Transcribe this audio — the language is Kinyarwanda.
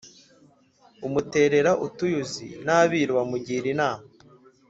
umuterera utuyuzi n'abiru bamugira inama